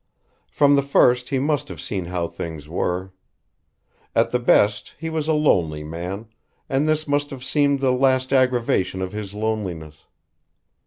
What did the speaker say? From the first he must have seen how things were. At the best he was a lonely man, and this must have seemed the last aggravation of his loneliness.